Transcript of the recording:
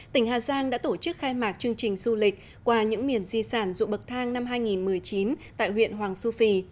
tỉnh hà giang đã tổ chức khai mạc chương trình du lịch qua những miền di sản ruộng bậc thang năm hai nghìn một mươi chín tại huyện hoàng su phi